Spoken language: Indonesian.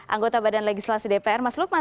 anggota badan legislasi dpr mas lukman